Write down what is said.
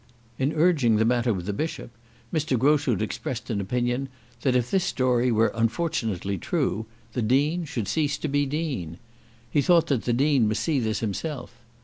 In urging the matter with the bishop, Mr. Groschut expressed an opinion that, if this story were unfortunately true, the Dean should cease to be Dean. He thought that the Dean must see this himself.